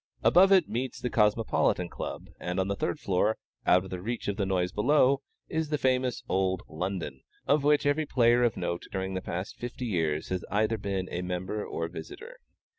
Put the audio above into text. Above it meets the Cosmopolitan Club, and on the third floor out of reach of the noise below is the famous old "London," of which every player of note during the past fifty years has either been a member or visitor.